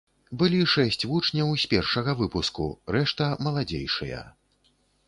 Былі шэсць вучняў з першага выпуску, рэшта маладзейшыя.